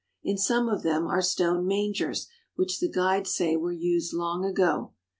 In some of them are stone mangers, which the guides say were used long ago.